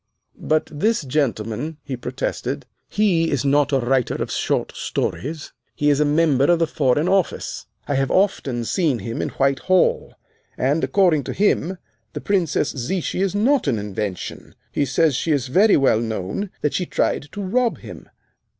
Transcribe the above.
"But this gentleman," he protested, "he is not a writer of short stories; he is a member of the Foreign Office. I have often seen him in Whitehall, and, according to him, the Princess Zichy is not an invention. He says she is very well known, that she tried to rob him."